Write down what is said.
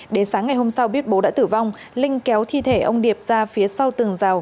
đến sáng ngày hôm sau biết bố đã tử vong linh kéo thi thể ông điệp ra phía sau tường rào